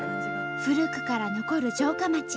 古くから残る城下町。